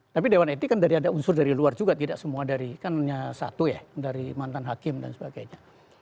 tapi dewan etik kan dari ada unsur dari luar juga tidak semua dari kan hanya satu ya dari mantan hakim dan sebagainya